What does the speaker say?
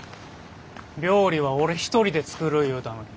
料理は俺一人で作る言うたのに。